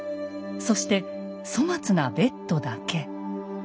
そして粗末なベッドだけ。